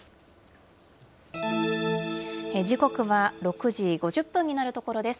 時刻は６時５０分になるところです。